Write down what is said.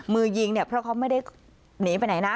มือยิงเนี่ยเพราะเขาไม่ได้หนีไปไหนนะ